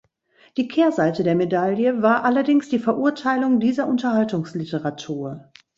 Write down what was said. Die Kehrseite der Medaille war allerdings die Verurteilung dieser Unterhaltungsliteratur.